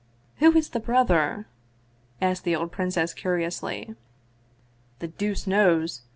" Who is the * brother '?" asked the old princess curi ously. " The deuce knows